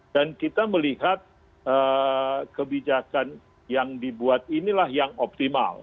dan kita melihat kebijakan yang dibuat inilah yang optimal